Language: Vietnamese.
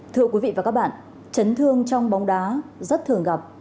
thưa quý vị và các bạn chấn thương trong bóng đá rất thường gặp